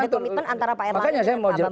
ada komitmen antara pak erlangga dan pak bambang